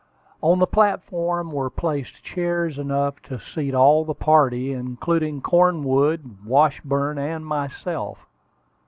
On the platform were placed chairs enough to seat all the party, including Cornwood, Washburn, and myself.